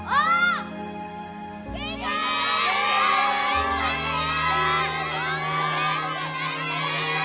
頑張れよ！